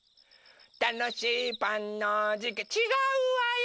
たのしいパンのじかちがうわよ！